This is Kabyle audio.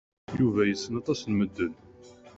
Yuba yessen aṭas n medden.